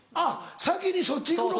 先にそっち行くのか。